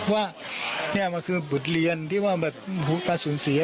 ว่านี่มันคือบทเรียนที่ว่าแบบการสูญเสีย